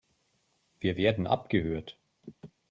Wir werden abgehört.